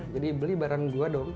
jadi beli barang gua dong